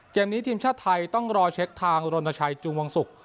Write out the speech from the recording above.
นี้ทีมชาติไทยต้องรอเช็คทางรณชัยจูงวงศุกร์